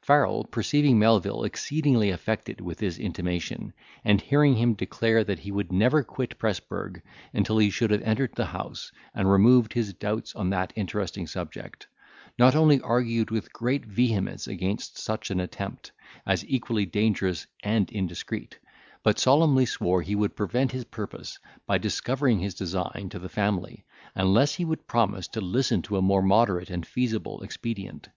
Farrel perceiving Melvil exceedingly affected with this intimation, and hearing him declare that he would never quit Presburg until he should have entered the house, and removed his doubts on that interesting subject, not only argued with great vehemence against such an attempt, as equally dangerous and indiscreet, but solemnly swore he would prevent his purpose, by discovering his design to the family, unless he would promise to listen to a more moderate and feasible expedient.